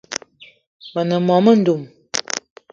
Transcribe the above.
Me ne mô-mendum